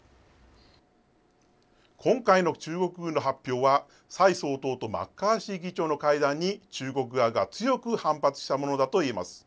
今回の中国軍の発表は蔡総統とマッカーシー議長の会談に中国側が強く反発したものだといえます。